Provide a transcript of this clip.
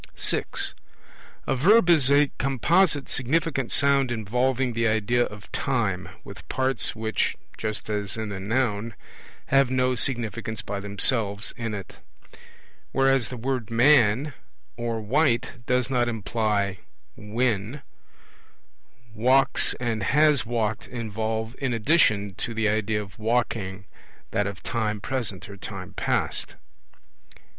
(6) A Verb is a composite significant sound involving the idea of time, with parts which (just as in the Noun) have no significance by themselves in it. Whereas the word 'man' or 'white' does not imply when, 'walks' and 'has walked' involve in addition to the idea of walking that of time present or time past.